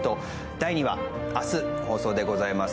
第２話、明日、放送でございます。